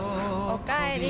おかえり。